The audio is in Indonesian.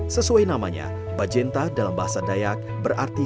sesuai namanya bajenta dalam bahasa dayak berarti